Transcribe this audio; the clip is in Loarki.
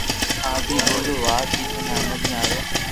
آ بي ڀلو وات ھي ٿني ھمج مي آوي